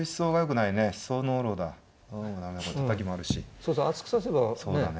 そうそう厚く指せばね。